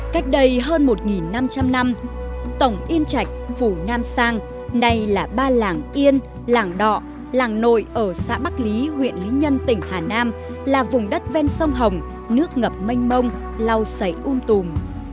cách đây hơn một năm trăm linh năm tổng yên trạch vũ nam sang này là ba làng yên làng đọ làng nội ở xã bắc lý huyện lý nhân tỉnh hà nam là vùng đất ven sông hồng nước ngập mênh mông lau sảy um tùm